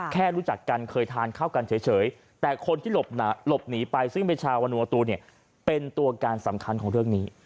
รู้จักกันเคยทานข้าวกันเฉยแต่คนที่หลบหนีไปซึ่งเป็นชาวนัวตูเนี่ยเป็นตัวการสำคัญของเรื่องนี้